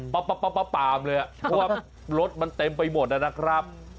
ปามเลยเพราะว่ารถมันเต็มไปหมดนะครับ